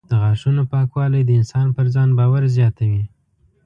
د غاښونو پاکوالی د انسان پر ځان باور زیاتوي.